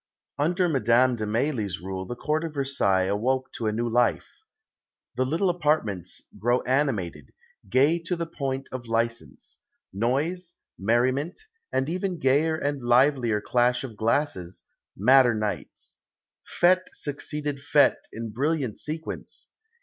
Under Madame de Mailly's rule the Court of Versailles awoke to a new life. "The little apartments grow animated, gay to the point of licence. Noise, merriment, an even gayer and livelier clash of glasses, madder nights." Fête succeeded fête in brilliant sequence.